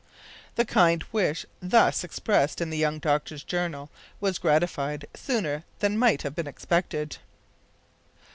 The kind wish thus expressed in the young doctor's journal was gratified sooner than might have been expected.